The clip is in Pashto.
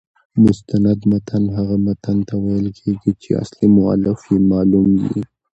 مستند متن هغه متن ته ویل کیږي، چي اصلي مؤلف يې معلوم يي.